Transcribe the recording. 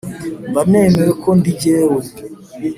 mba nemewe ko ndi jyewe